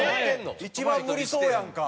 一番無理そうやんか。